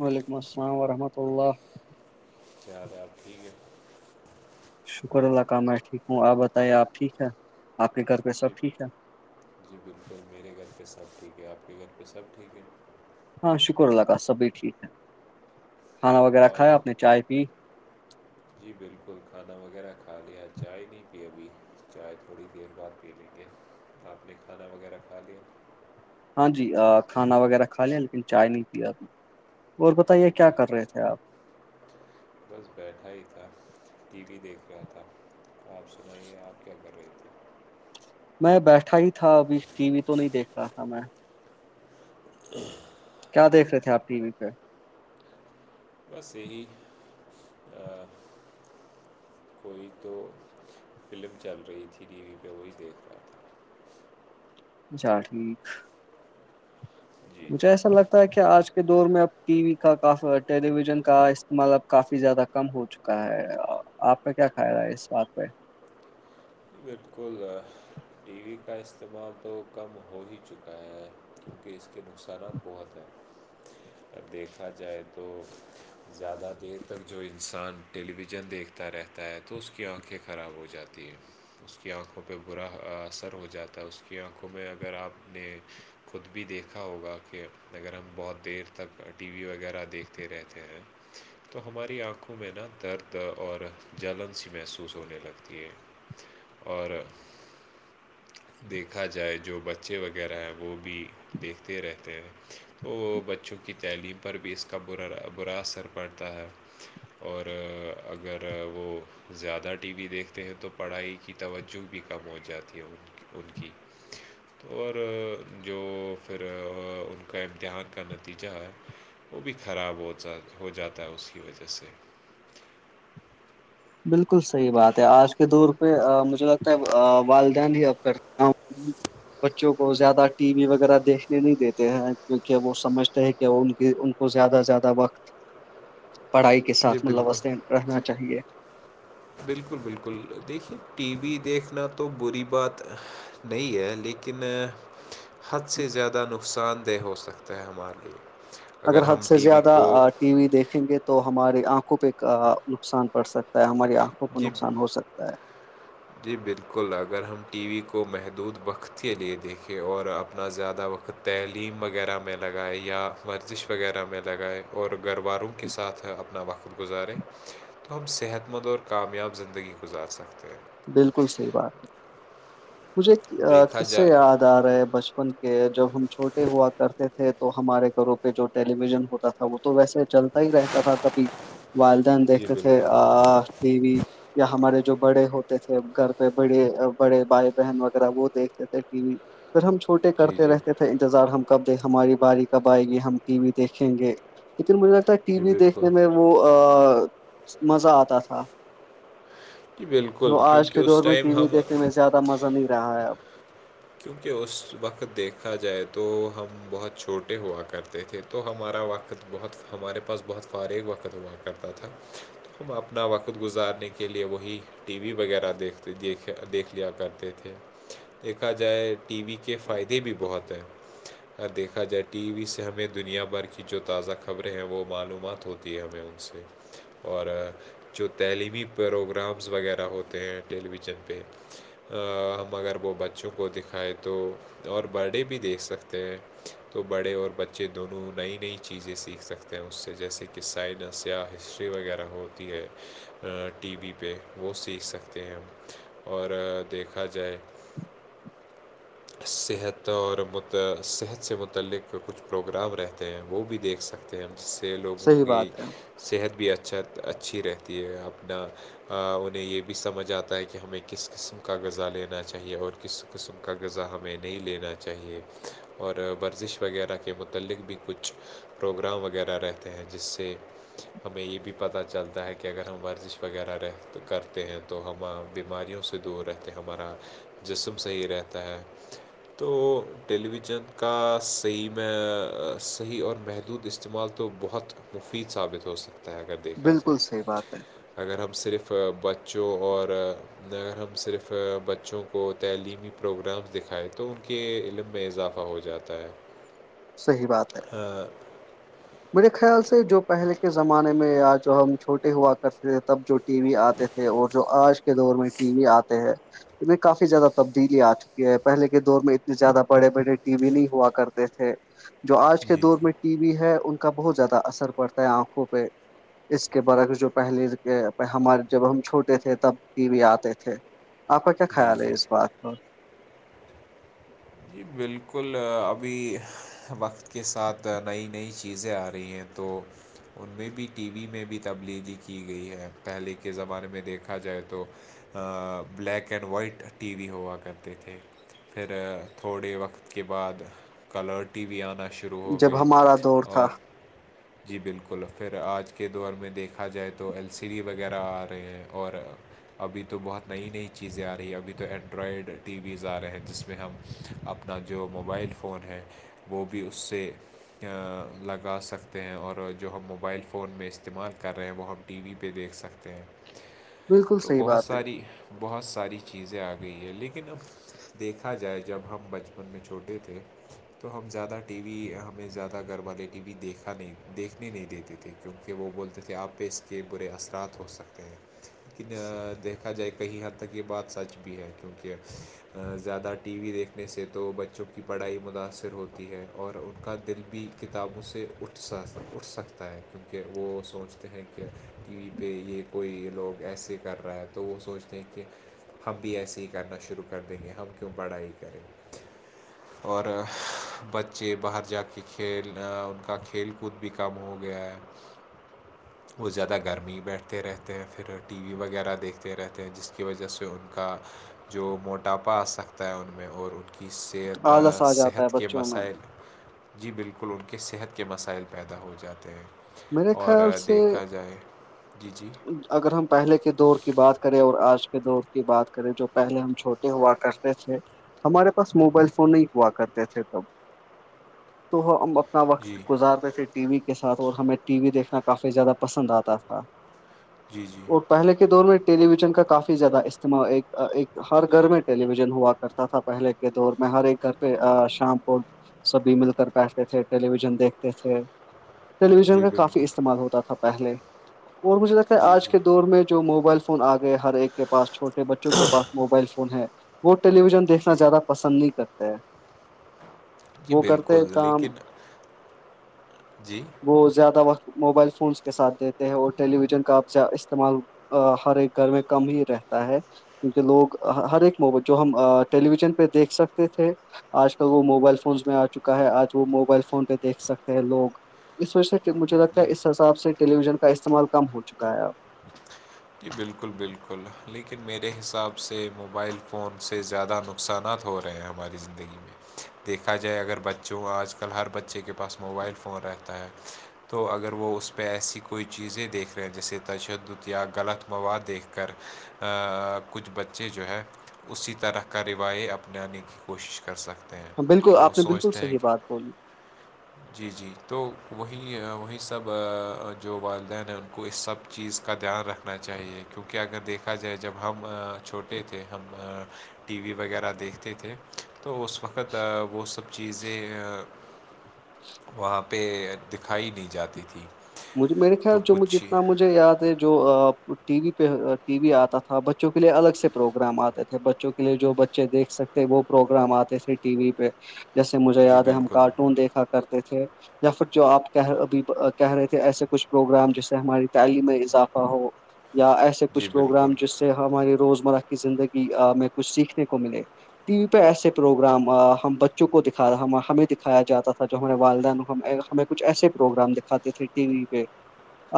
وعلیکم السلام ورحمۃہ اللہ کیا چال ٹھیک ہے شکر اللہ کا میں ٹھیک ہوں آپ بتائیے آپ ٹھیک ہے آپ کے گھر پہ جی سب ٹھیک ہے جی بالکل میرے گھر پہ سب ٹھیک ہے آپ کے گھر پہ سب ٹھیک ہے ہاں شکر اللہ کاا سبھی ٹھیک ہے کھانا وغیرہ اور کھایا آپ نے چائے پی جی بالکل کھانا وغیرہ کھا لیا چائے نہیں پی ابھی چائے تھوڑی دیر بعد پی لییے آپ نے کھانا وغیرہ کھا لیا ہاں جی کھانا وغیرہ کھا لیں لیکن چائے نہیں پیا ا نے اور بتائیے کیا جی کر رہے تھے آپ بس بیٹھا ہی تھا ٹی وی دیکھ رہا تھا آپ سنائیے آپ کیا کر رہے تھے میں بیٹھا ہی تھا ابھی ٹی وی تو نہیں دیکھ رہا تھا میں [inaudible] کیا دیکھ رہے تھے آ ٹی وی پہ بس یہی وہی تو فلم چل رہی تھی ٹی وی پہ وہی دیکھ رہا تھا اھا ٹھیک [unintelligible] جی مجھے جی ایسا لگتا ہے کہ آج کے دور میں اب ٹی وی کا کا ٹیلی ویژن کا استعمال اب کافی زیادہ کم ہو چکا ہے آپ کا کیا کھیا رہا ہے اس بات پہ بالکل ٹی وی کا استعمال تو کم ہو ہی چکا ہے کیونکہ اس کے نقصانات بہت ہیں ا دیکھا جائے تو زیادہ دیر تک جو انسان ٹیلی ویژن دیکھتا رہتا ہے تو اس کی آنکھیں خراب ہو جاتی ہے اس کی آنکھوں پہ برا اثر ہو جاتا ہے اس کی آنکھوں میں اگر آپ نے خود بھی دیکھا ہوگا کہ اگر ہم بہت دیر تک ٹی وی وغیرہ دیکھتے رہتے ہیں تو ہماری آنکھوں میں نا درد اور جلن سی محسوس ہونے لگتی ہے اور دیکھا جائے جو بچے وغیرہ ہیں وہ بھی دیکھتے رہتے ہیں تو بچوں کے کی تعلیم پر بھی اس کا برا برا اثر پڑتا ہے اور اگر وہ زیادہ ٹی وی دیکھتے ہیں تو پڑھائی کی توجہ بھی کم ہو جاتی ہے رکی اور جو پھر ان کا امتحان کرنا تھا نتیجہ ہے وہ بھی خراب ہو ہو جاتا ہے اس کی وجہ سے بالکل صحیح بات ہے آج کے دور پہ مجھے لگتا ہے والدین ہی اب کرتے ہاں بچوں کو زیادہ ٹی وی وغیرہ دیکھنے نہیں دیتے ہیں کیونکہ وہ سمجھتے ہیں کہ وہ ان کی کو زیادہ سے زیادہ وقت پڑھائی کے جی ساتھ بالکل ملوثے رہنا چاہیے بالکل بالکل دیکھیے ٹی وی دیکھنا تو بری بات نہیں ہے لیکن حد سے زیادہ نقصان دہ ہو سکتا ہے ہمارے لیے اگر حد ہم سے ٹی وی زیادہ کو ٹی وی دیکھیں گے [unintelligible] تو ہماری آنکھوں پہ نقصان پڑ سکتا ہے ہماری آنکھوں کو جی نقصان ہو سکتا ہے [unintelligible] جی بالکل اگر ہم ٹی وی کو محدود وقت کے لیے دیکھیں اور اپنا زیادہ وقت تعلیم وغیرہ میں لگائے یا ورزش وغیرہ میں لگائے اور گھرواروں کے ساتھ اپنا وقت کر گ کوزارے [unintelligible] [unintelligible] [inaudible] [inaudible] تو ہم صحت مند اور کامیاب زندگی گزار سکتے ہیں بالکل صحیح بات ہے مجھے دیکھا ک سے جائے یاد ے بچپن کے جب ہم چھوٹے ہوا کرتے تھے تو ہمارے گھرو پہ جو ٹیلی ویژن ہوتا تھا وہ تو ویسے چلتا ہی رہتا تھا کبھی والدین جی دیکھتے تھے بالکل ٹی وی یا ہمارے جو بڑے ہو تے تھے گھر پہ بڑے بڑے بھائی بہن وغیرہ وہ دیکھتے تھے ٹی وی پھر ہم چوٹے جی کرتے جی رہتے تھ انتظار ہم کب د ہماری باری کب آئے گی ہم ٹی وی دیکھیں گے لیکن مجھے لگتا ہے ٹی جی وی بالکل دیکھنے میں وہ مزہ آتا تھا جی بالکل جو آج کیونکہ کے اس دور میں ٹائم ٹی وی ہم دیکھنے میں زیادہ مزہ نہیں رہا ہے اب کیونکہ اس وقت دیکھا جائے تو ہم بہت چھوٹے ہوا کرتے تھے تو ہمارا وقت بہت ہمارے پاس بہت فارغ وقت ہوا کرتا تھا ہم اپنا وقت گزارنے کے لیے وہی ٹی وی وغیرہ دیکھتے دیکھ دیکھ لیا کرتے تھے دیکھا جائے ٹی وی کے فائدے بھی بہت ہیں ہ دیکھا جائے ٹی وی سے ہمیں دنیا بھر کی جو تازہ خبریں ہیں وہ معلومات ہوتی دیا میں ان سے [unintelligible] [unintelligible] اور جو تعلیمی پروگرامس وغیرہ ہوتے ہیں ٹیلی ویژن پہ ہم اگر وہ بچوں کو دکھائے تو اور برڈے بھی دیکھ سکتے ہیں تو بڑے اور بچے دونوں نئی نئی چیزیں سیکھ سکتے ہیں اس سے جیسے کہ کہ سائنس یا ہسٹری وغیرہ ہوتی ہے ٹی وی پہ وہ سیکھ سکتے ہیں اور دیکھا جائے صحت اور مت صحت سے متعلق کچھ پروگرام رہتے ہیں وہ بھی دیکھ سکتے ہیں جس سے لوگوں صحیح کی بات ہے صحت بھی اچھا اچھی رہتی ہے اپنا انہیں یہ بھی سمجھ آتا ہے کہ ہمیں کس قسم کا غذا لینا چاہیے اور کس قسم کا غذا ہمیں نہیں لینا چاہیے اور ورزش وغیرہ کے متعلق بھی کچھ پروگرام وغیرہ رہتے ہیں جس سے ہمیں یہ بھی پتہ چلتا ہے کہ اگر ہم ورزش وغیرہ رہ کرتے ہیں تو تو ہم بیماریوں سے دور رہتے ہیں ہمارا جسم صحیح رہتا ہے تو ٹیلی ویژن کا صحیح میں صحیح اور محدود اس استعمال تو بہت مفید ثابت ہو سکتا ہے اگر دیکھا جائے بالکل صحیح بات ہے اگر ہم صرف بچوں اور اگر ہم صرف بچوں کو تعلیمی پروگرامس دکھائے تو ان کے علم میں اضافہ ہو جاتا ہے صحی بات ہے میرے خیال سے جو پہلے کے زمانے میں یا جو ہم چھوٹے ہوا کرتے تھے تب جو ٹی وی آتے تھے اور جو آج کے دور میں ٹی وی آتے ہیں میں کافی زیادہ تبدیلی آ چکی ہے پہلے کے دور میں اتنے زیادہ بڑے بڑے ٹی وی نہیں ہوا کرتے تھے جو آج کے جی دور میں جی ٹی وی ہے ان کا بہت زیادہ اثر پڑتا ہے آنکھوں پہ اس کے برعک جو پہلے کے ہمارے جب ہم چھوٹے تھے تب ٹی وی آتے تھے آپ کا کیا جی خیال ہے جی اس بات پر جی بالکل ابھی وقت کے ساتھ نئی نئی چیزیں آ رہی ہیں تو ان میں بھی ٹی وی میں بھی تبدیلی کی گئی ہے پہلے کے زمانے میں دیکھا جائے تو black and white T V ہوا کرتے تھے پھر تھوڑے وقت کے بعد کلر ٹی و آنا شروع شروع ہو جب گئی ہمارا دور تھا اور جی بالکل پھر آج کے دور میں دیکھا جائے تو ایل سی ڈی وغیرہ آ رہے ہیں اور ابھی تو بہت نئی نئی چیزیں آ رہی ہیں ابھی تو اینڈرائڈ ٹی ویز آ رہے ہیں جس میں ہم اپنا جو موبائل فون ہے وہ بھی اس سے لگا سکتے ہیں اور جو ہم موبائل فون میں استعمال کر رہے ہیں وہ ہم ٹی وی پہ دیکھ سکتے ہیں بالکل تو صحیح بہت بات ہے ساری بہت ساری چیزیں آ گئی ہے لیکن اب دیکھا جائے جب ہم بچپن میں چھوٹے تھے تو ہم زیادہ ٹی وی ہمیں زیادہ گھر والے ٹی وی دیکھا نہیں دیکھنے نہیں دیتے تھے کیونکہ وہ بولتے تھے آپ پہ اس کے برے اثرات ہو سکتے ہیں یکن دیکھا جائے کہیں حد تک یہ بات سچ بھی ہے کیونکہ زیادہ ٹی وی دیکھنے سے تو بچوں کی پڑھائی متاأثر ہوتی ہے اور ان کا دل بھی کتابوں سے اٹھ س اٹھ سکتا ہے کیونکہ وہ سوچتے ہیں کہ ٹی وی پہ یہ کوئی لوگ ایسے کر رہا ہے تو وہ سوچتے ہیں کہ ہم بھی ایسے ہی کرنا شروع کر دیں گے ہم کیوں پڑا ہی کریں [inaudible] اور بچے باہر جا کے کھیل ان کا کھیل کود بھی کم ہو گیا ہے [inaudible] وہ زیادہ گرمی بیٹھتے رہتے ہیں پھر ٹی وی وغیرہ دیکھتے رہتے ہیں جس کی وجہ سے ان کا جو موٹاپا آ سک ہوتا ہے ان میں اور ان کی صحت آلس آ جاتا ہے صحت کے بچوں میں مسائل جی بالکل ان کے صحت کے مسائل پیدا ہو جاتے ہیں میرے اور خیال سے دیکھا جائے جی جی اگر ہم پہلے کے دور کی بات کریں اور آج کے دور کی بات کریں جو پہے ہم چھوٹے ہوا کرتے تھ ہمارے پاس موبائل فون نہیں ہوا کرتے تھے تب تو ہم اپنا وقت جی گزارتے تھ ٹی وی کے ساتھ اور ہمیں ٹی وی دیکھنا کافی زیادہ پسند آتا تھا جی جی اور پہلے کے دور میں ٹیلی ویژن کا کافی زیادہ استعمال ہر گھر میں ٹیلی ویژن ہوا کرتا تھا پہلے کے دور میں ہر ایک گھر پہ شام کو سبھی مل کر بیٹھتے تھے ٹیلی ویژن دیکھتے تھے ٹیلی ویژن جی کا کافی بالکل استعمال ہوتا تھا پہلے اور مجھے لگتا ہے جی آج جی کے دور میں جو موبائل فون فون آ گئے ہر ایک کے پاس چھوٹے بچوں کے پاس موبائل فون ہے وہ ٹیلی ویژن دیکھنا جی زیادہ پسند نہیں کرتے ہیں جی وہ کرتے بالکل کام لیکن جی وہ زیادہ وقت موبائل فونس کے ساتھ دیتے ہیں اور ٹیلی ویژن کا استعمال ہر ایک گھر میں کم ہی رہتا ہے کیونکہ لوگ ہر ایک موبائل جو ہم ٹیلی ویژن پہ دیکھ سکتے تھے آج کل وہ موبائل فونس میں آ چکا ہے آج وہ موبائل فون پہ دیکھ سکتے ہیں لوگ اس وجہ سے کہ مجھے لگتا ہے اس حساب سے ٹیلی ویژن کا استعمال کم ہو چکا ہے اب جی بالکل بالکل لیکن میرے حساب سے موبائل فون سے زیادہ نقہ نقصانات ہو رہے ہیں ہماری زندگی میں دیکھا جائے اگر بچوں آج کل ہر بچے کے پاس موبائل فون رہتا ہے تو اگر وہ اس پہ ایسی کوئی چیزیں دیکھ رہے ہیں جیسے تشدد یا غلط مواد دیکھ کر کچھ بچے جو ہے اسی طرح کا رواییہ اپنانے کی کوشش کر سکتے ہیں بالکل کہ وہ آپ نے بالکل سوچتے ہیں صحیح کہ بات بولی جی جی تو وہیں وہیں سب جو والدین ہیں ان کو اس سب چیز کا دھیان رکھنا چاہیے کیونکہ اگر دیکھا جائے جب ہم چھوٹے تھے ہم ٹی وی وغیرہ دیکھتے تھے تو اس وقت وہ سب چیزیں وہاں پہ دکھائی نہیں جاتی تھی مجھ میرے خیال تو جو مج کچھ جتنا مھے یاد ہے جو ٹی وی پہ ٹی وی آتا تھا بچوں کے لیے الگ سے پروگرام آتے تھے بچوں کے کے لیے جو بچے دیکھ سکتے وہ پروگرام آتے تھے ٹی وی پہ جیسے مجھے جی یاد ہے ہم بالکل کارٹون دیکھا کرتے تھے یا پھر جو آپ کہ کہہ رہے تھے ایسے کچھ پروگرام جیسے ہماری تعلیم میں اضافہ ہو یا ایسے جی کچھ پروگرام بالکل جس ہماری روزمرہ کی زندگی ہمیں کچھ سیکھنے کو ملے ٹی وی پہ ایسے پروگرام ہم بچوں کو دکھا رہا ہمیں دکھایا جاتا تھا جو ہمارے والدین ہم ہمیں کچھ ایسے پروگرام دکھاتے تھے ٹی وی پہ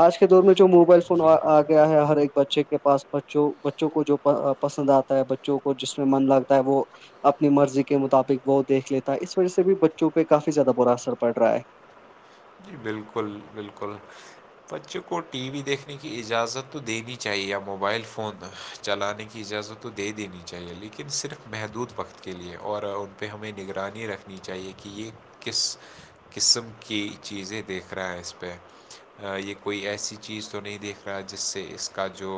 آج کے دور میں جو موبائل فون جی گیا ہے ہر ایک بچے کے پاس بچ بچوں کو جو پسند آتا ہے بچوں کو جس میں من لگتا ہے وہ اپنی مرضی کے مطابق وہ دیکھ لیتا ہے اس وجہ سے بھی بچوں پہ کافی زیادہ برا اثر پڑ رہا ہے جی بالکل بالکل بچوں کو ٹی وی دیکھنے کی اجازت تو دینی چاہیے موبائل فون چلانے کی اجازت تو دے دینی چاہیے لیکن صرف محدود وقت کے لیے اور ان پہ ہمیں نگرانی رکھنی چاہیے کہ یہ کس قسم کی چیزیں دیکھ رہا ہے اس پہ یہ کوئی ایسی چیز تو نہیں دیکھ رہا ہے جس سے اس کا جو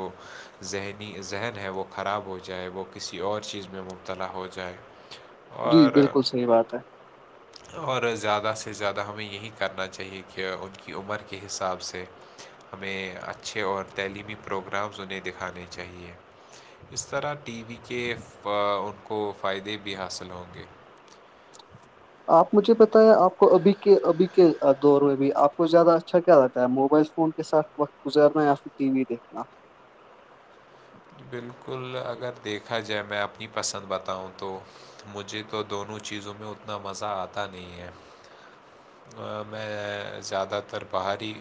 ذہنی ذہن ہے وہ خراب ہو جائے وہ کسی اور چیز میں مبتلا ہو جائے [inaudible] اور بالکل صحیح بات ہے اور زیادہ سے زیادہ ہمیں یہی کرنا چاہیے کہ ان کی عمر کے حساب سے ہمیں اچھے اور تعلیمی پروگرامز انہیں دکھانے چاہیے اس طرح ٹی وی کے ان کو فائدے بھی حاصل ہوں گے آپ مجھے پتیں آپ کو ابھی کے ابھی کے دور میں بھی آپ کو زیادہ اچھا کیا رہگتا ہے موبائل فون کے ساتھ وقت گزارنا یا پھر ٹی وی دیکھنا بالکل اگر دیکھا جائے میں اپنی پسند بتاؤں تو مجھے تو دونوں چیزوں میں اتنا مزہ آتا نہیں ہے میں زیادہ تر باہری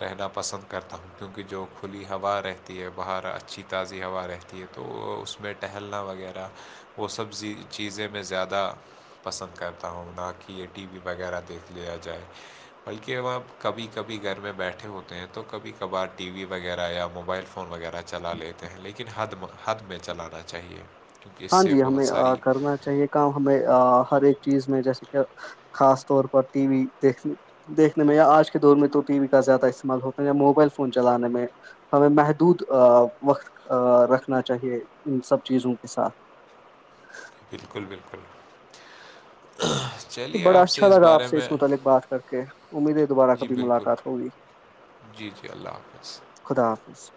رہنا پسند کرتا ہوں کیونکہ جو کھلی ہوا رہتی ہے باہر اچھی تازی ہوا رہتی تی ہے تو اس میں ٹہلنا وغیرہ وہ سبزی چیزیں میں زیادہ پسند کرتا ہوں نہ کہ یہ ٹی وی وغیرہ دیکھ لیا جائے بلکہبپ کبھی کبھی گھر میں بیٹھے ہوتے ہیں تو کبھی کبھار ٹی وی وغیرہ یا موبائل فون وغیرہ چلا لیتے ہیں لیکن حد حد میں چلانا چاہیے کیونکہ اس ہاں سے جی بہت ہمیں ساری کرنا چاہیے کام ہمیں ہر ایک چیز میں جیسے کہ خاص طور پر ٹی وی دیکھنے دیکھنے میں یا آج کے دور میں تو ٹی وی کا زیادہ استعمال ہوتا ہے یا موبائل فون چلانے میں ہمیں محدود وقت رکھنا چاہیے ان سب چیزوں کے ساتھ بالکل بالکل تو چلیے بڑا آپ اچھا سے اس لگا آپ بارے سے میں اس متعلق بات کر کے امید ہے دوبارہ جی کبھی بالکل ملاقات ہوگی جی جی اللہ حافظ خدا حافظ